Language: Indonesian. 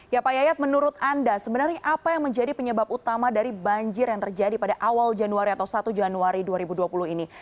ya pak yayat menurut anda sebenarnya apa yang menjadi penyebab utama dari banjir yang terjadi pada awal januari atau satu januari dua ribu dua puluh ini